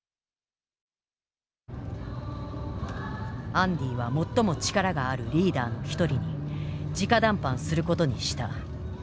アンディは最も力があるリーダーの一人にじか談判することにした。